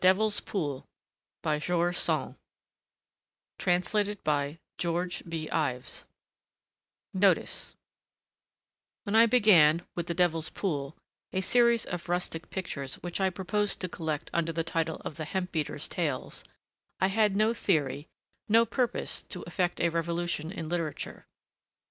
IVES THE ETCHINGS AND DRAWINGS ARE BY EDMOND RUDAUX NOTICE When I began, with The Devil's Pool, a series of rustic pictures which I proposed to collect under the title of The Hemp Beater's Tales, I had no theory, no purpose to effect a revolution in literature.